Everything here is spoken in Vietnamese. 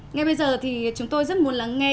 ngay bây giờ thì chúng tôi rất muốn lắng nghe